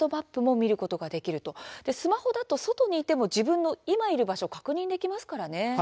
スマホだと、外にいても自分の今いる場所を確認できますね。